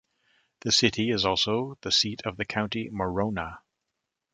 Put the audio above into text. The city is also the seat of the county Morona.